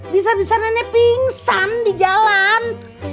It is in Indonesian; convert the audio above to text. bisa bisa nenek pingsan di jalan